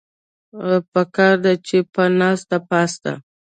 پکار ده چې پۀ ناسته پاسته